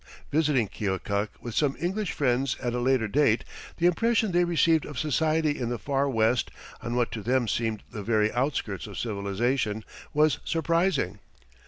Visiting Keokuk with some English friends at a later date, the impression they received of society in the Far West, on what to them seemed the very outskirts of civilization, was surprising.